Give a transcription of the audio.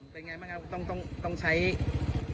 เป็นไงบ้างครับต้องใช้